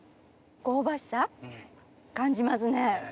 香ばしさ感じますね。